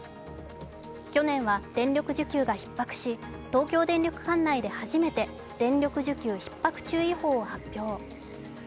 去年は電力需給がひっ迫し東京電力管内で電力需給ひっ迫注意報を発表。